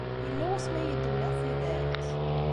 Yella wasmi ay iyi-d-tenniḍ tidet?